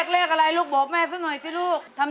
เป็นเรื่องราวของแม่นาคกับพี่ม่าครับ